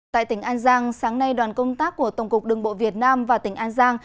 tại tỉnh an giang sáng nay đoàn công tác của tổng cục đường bộ việt nam và tỉnh an giang